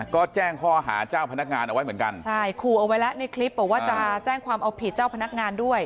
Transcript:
ก็แจ้งข้อหาเจ้าพนักงานเอาไว้เหมือนกันใช่ขู่เอาไว้แล้วในคลิปบอกว่าจะแจ้งความเอาผิดเจ้าพนักงานด้วย